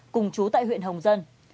cùng chú tại huyện hồng dân